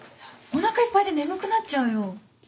お腹いっぱいで眠くなっちゃうよ。